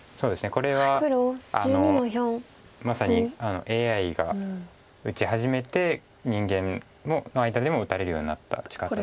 これはまさにＡＩが打ち始めて人間の間でも打たれるようになった打ち方です。